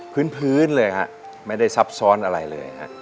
พื้นเลยฮะไม่ได้ซับซ้อนอะไรเลยฮะ